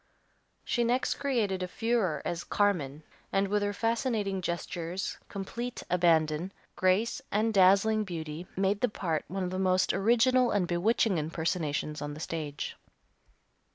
She next created a furore as Carmen, and with her fascinating gestures, complete abandon, grace, and dazzling beauty made the part one of the most original and bewitching impersonations on the stage.